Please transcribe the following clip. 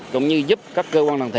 cũng như giúp các cơ quan đồng thời